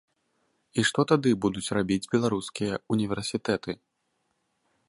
І што тады будуць рабіць беларускія ўніверсітэты?